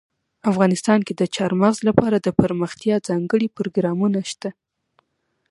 افغانستان کې د چار مغز لپاره دپرمختیا ځانګړي پروګرامونه شته.